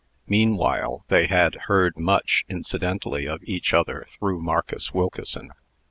Meantime, they had heard much, incidentally, of each other through Marcus Wilkeson.